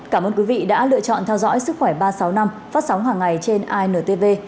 cảm ơn quý vị đã lựa chọn theo dõi sức khỏe ba trăm sáu mươi năm phát sóng hàng ngày trên intv